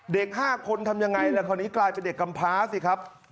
๕คนทำยังไงล่ะคราวนี้กลายเป็นเด็กกำพลาสิครับ